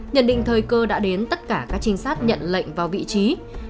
nhận định thời cơ đã đến tất cả các trinh sát nhận lệnh vào vị trí